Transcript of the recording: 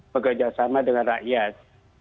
bekerja sama dengan rakyat